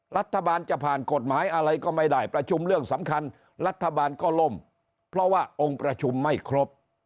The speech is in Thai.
รัฐบาลจะผ่านกฎหมายอะไรก็ไม่ได้ประชุมเรื่องสำคัญรัฐบาลก็ล่มเพราะว่าองค์ประชุมไม่ครบ